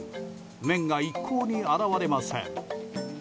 麺が一向に現れません。